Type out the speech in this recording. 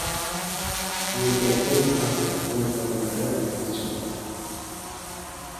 Erga eng xavfli asteroidlardan biri yaqinlashmoqda